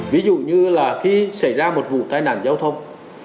ví dụ như là khi xảy ra một vụ tai nạn giao thông